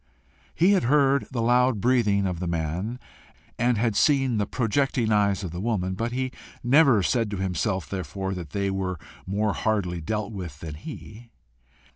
He had heard the loud breathing of the man, and seen the projecting eyes of the woman, but he never said to himself therefore that they were more hardly dealt with than he.